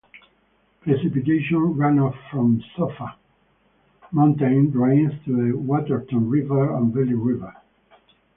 Precipitation runoff from Sofa Mountain drains to the Waterton River and Belly River.